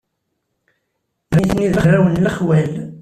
Nitni d arraw n lexwal.